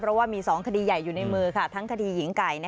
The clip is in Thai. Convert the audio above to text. เพราะว่ามี๒คดีใหญ่อยู่ในมือทั้งคดีหญิงไก่